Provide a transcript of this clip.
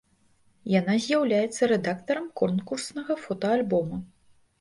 Яна з'яўляецца рэдактарам конкурснага фотаальбома.